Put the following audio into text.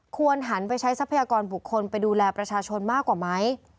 หันไปใช้ทรัพยากรบุคคลไปดูแลประชาชนมากกว่าไหม